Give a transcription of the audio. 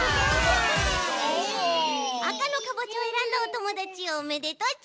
赤のかぼちゃをえらんだおともだちおめでとち！